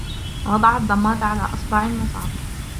وضعت ضمادة على أصبعي المصاب.